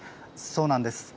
そうなんです。